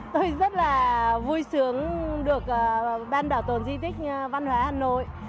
tôi rất là vui sướng được ban bảo tồn di tích văn hóa hà nội